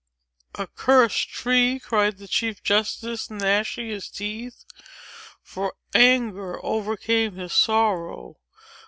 "Accursed tree!" cried the chief justice, gnashing his teeth: for anger overcame his sorrow.